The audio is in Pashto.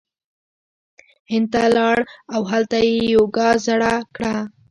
هند ته لاړ او هلته یی یوګا زړه کړه